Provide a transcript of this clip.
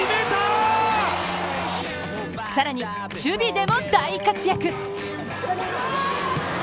更に、守備でも大活躍。